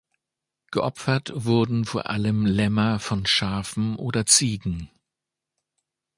Geopfert wurden vor allem Lämmer von Schafen oder Ziegen.